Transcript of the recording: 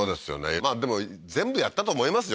まあでも全部やったと思いますよ